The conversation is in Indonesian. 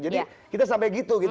jadi kita sampai gitu